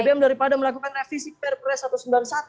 bbm daripada melakukan revisi perpres satu ratus sembilan puluh satu